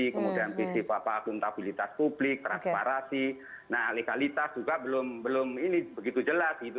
kemudian visi apa akuntabilitas publik transparansi nah legalitas juga belum ini begitu jelas gitu